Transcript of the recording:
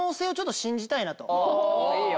いいよ！